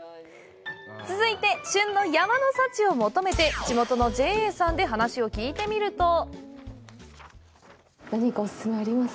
続いて、旬の山の幸を求めて地元のＪＡさんで話を聞いてみると何かオススメはありますか？